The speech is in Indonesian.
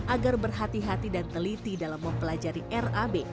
agar berhati hati dan teliti dalam mempelajari rab